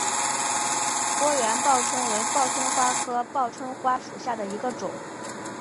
波缘报春为报春花科报春花属下的一个种。